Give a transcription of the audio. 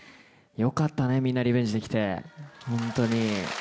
よかったね、みんなリベンジできて。